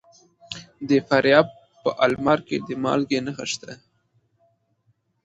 د فاریاب په المار کې د مالګې نښې شته.